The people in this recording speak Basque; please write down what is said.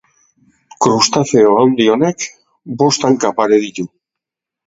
Krustazeo handi honek bost hanka pare ditu.